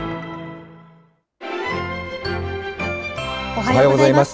おはようございます。